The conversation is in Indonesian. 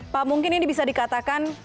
pak mungkin ini bisa dikatakan